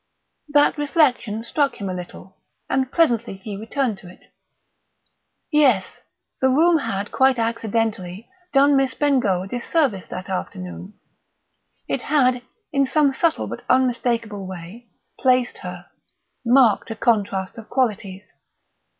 That reflection struck him a little, and presently he returned to it. Yes, the room had, quite accidentally, done Miss Bengough a disservice that afternoon. It had, in some subtle but unmistakable way, placed her, marked a contrast of qualities.